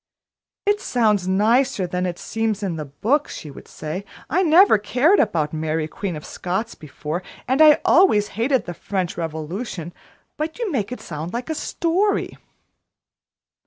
"It sounds nicer than it seems in the book," she would say. "I never cared about Mary, Queen of Scots, before, and I always hated the French Revolution, but you make it seem like a story."